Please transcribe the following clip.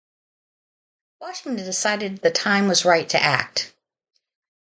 Washington decided the time was right to act.